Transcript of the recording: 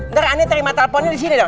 ntar anda terima teleponnya di sini dong